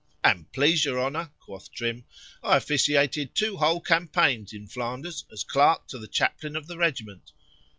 An' please your honour, quoth Trim, I officiated two whole campaigns, in Flanders, as clerk to the chaplain of the regiment.